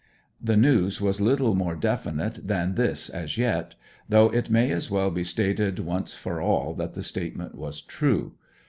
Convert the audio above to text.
The news was little more definite than this as yet; though it may as well be stated once for all that the statement was true.